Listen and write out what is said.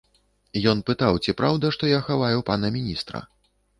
Ён пытаў, ці праўда, што я хаваю пана міністра.